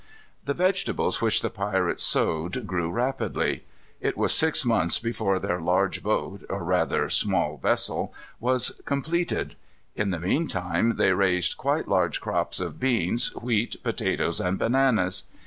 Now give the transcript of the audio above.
The vegetables which the pirates sowed grew rapidly. It was six months before their large boat, or rather small vessel, was completed. In the mean time they raised quite large crops of beans, wheat, potatoes, and bananas.